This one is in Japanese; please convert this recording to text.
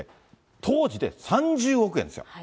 当時で３０億円ですよ。